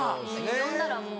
呼んだらもう。